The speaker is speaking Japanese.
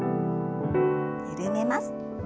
緩めます。